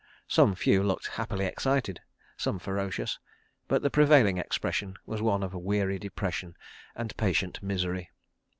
Some few looked happily excited, some ferocious, but the prevailing expression was one of weary depression and patient misery.